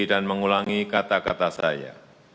dan mengulangi kata kata saya